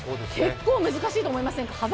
結構難しいと思いませんか？